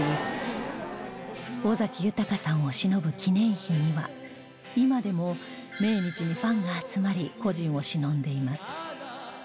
尾崎豊さんを偲ぶ記念碑には今でも命日にファンが集まり故人を偲んでいます